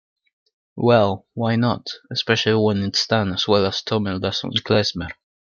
Well, why not, especially when it's done as well as Tummel does on Klezmer.